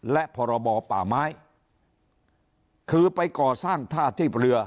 และพรบป่าไม้คือไปก่อสร้างท่าเทียบเรือ